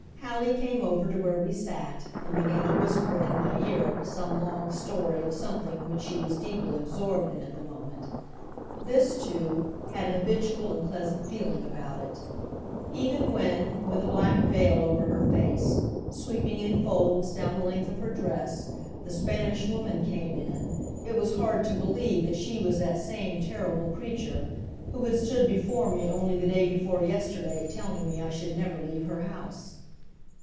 Hallie came over to where we sat, and began to whisper in my ear some long story of something which she was deeply absorbed in at the moment. This, too, had a habitual and pleasant feeling about it. Even when, with a black veil over her face, sweeping in folds down the length of her dress, the Spanish Woman came in, it was hard to believe that she was that same terrible creature who had stood before me only the day before yesterday telling me I should never leave her house.